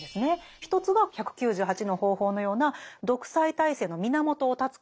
一つが１９８の方法のような独裁体制の源を断つ行動なんです。